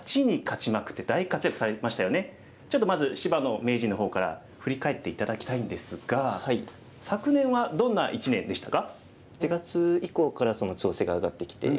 ちょっとまず芝野名人の方から振り返って頂きたいんですが昨年はどんな一年でしたか？